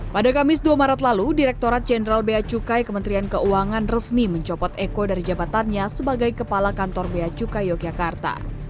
pada kamis dua maret lalu direkturat jenderal bea cukai kementerian keuangan resmi mencopot eko dari jabatannya sebagai kepala kantor beacuka yogyakarta